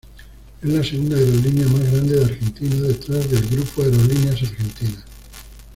Es la segunda aerolínea más grande de Argentina, detrás del Grupo Aerolíneas Argentinas.